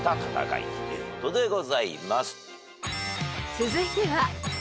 ［続いては］